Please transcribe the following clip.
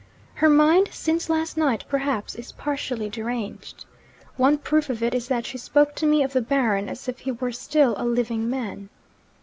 Her mind (since last night, perhaps) is partially deranged. One proof of it is that she spoke to me of the Baron as if he were still a living man.